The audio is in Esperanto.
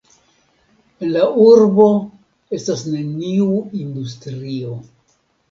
En la urbo estas neniu industrio.